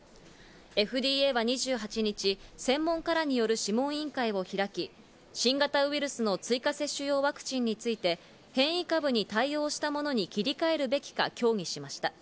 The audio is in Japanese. ＦＤＡは２８日、専門家らによる諮問委員会を開き、新型ウイルスの追加接種用ワクチンについて変異株に対応したものに切り替えるべきか協議しました。